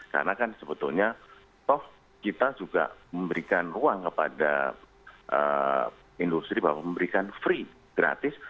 karena kan sebetulnya kita juga memberikan ruang kepada industri bahwa memberikan free gratis